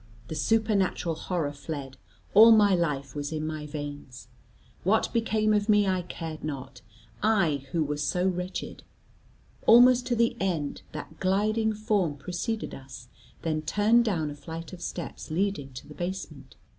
The supernatural horror fled; all my life was in my veins. What became of me I cared not, I who was so wretched. Almost to the end, that gliding form preceded us, then turned down a flight of steps leading to the basement.